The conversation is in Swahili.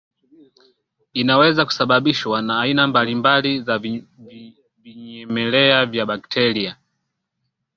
inaweza kusababishwa na aina mbalimbali za vinyemelea vya bakteria